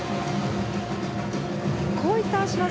こういった脚技